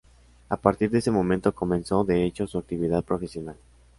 A partir de ese momento comenzó, de hecho, su actividad profesional.